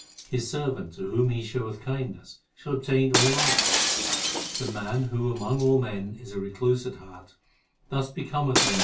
His servant to whom He showeth kindness, Shall obtain all knowledge. The man who among all men is a recluse at heart, Thus becometh, O Nanak, a slave of God.